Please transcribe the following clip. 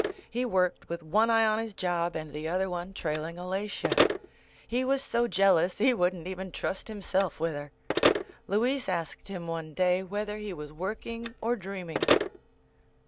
He worked with one eye on his job and the other one trailing Alatia. He was so jealous he wouldn't even trust himself with her. Louise asked him one day whether he was working or dreaming.